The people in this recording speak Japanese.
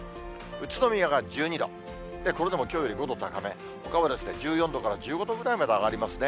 宇都宮が１２度、これでもきょうより５度高め、ほかは１４度から１５度ぐらいまで上がりますね。